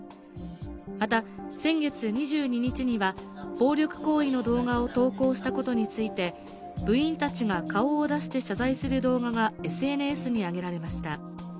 また、先月２２日には、暴力行為の動画を投稿したことについて部員たちが顔を出して謝罪する動画がＳＮＳに上げられました。